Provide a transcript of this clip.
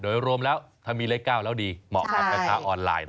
โดยรวมแล้วถ้ามีเลข๙แล้วดีเหมาะกับราคาออนไลน์